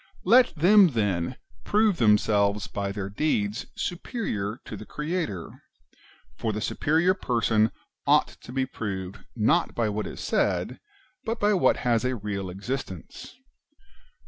Let them, then, prove themselves by their deeds superior to the Creator ; for the superior person ought to be proved not by what is said, but by wdiat has a real existence.